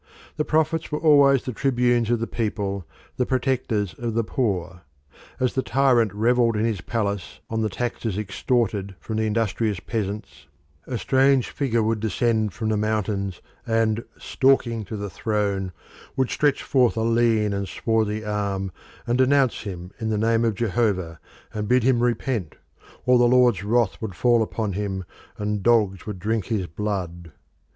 The prophets were always the tribunes of the people, the protectors of the poor. As the tyrant revelled in his palace on the taxes extorted from industrious peasants, a strange figure would descend from the mountains and, stalking to the throne, would stretch forth a lean and swarthy arm and denounce him in the name of Jehovah, and bid him repent, or the Lord's wrath should fall upon him and dogs should drink his blood.